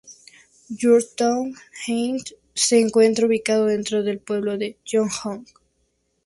Yorktown Heights se encuentra ubicado dentro del pueblo de Yorktown.